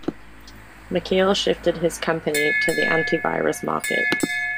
Mikel shifted his company to the antivirus market.